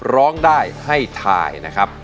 ร้องได้ให้ทายนะครับ